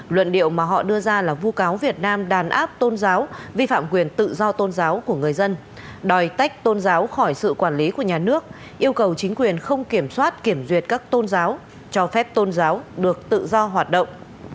luận điệu mà họ đưa ra là vu cáo việt nam đàn áp tôn giáo vi phạm quyền tự do tôn giáo của người dân đòi tách tôn giáo khỏi sự quản lý của nhà nước yêu cầu chính quyền không kiểm soát kiểm duyệt các tôn giáo cho phép tôn giáo được tự do hoạt động